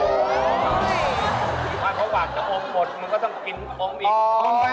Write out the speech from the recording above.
คือว่าเพราะว่าจะอมหมดมันก็ต้องกินของอีก